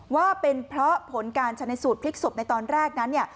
ว่าเป็นเพราะผลการชนสูตรพลิกศพในตอนแรกนั้น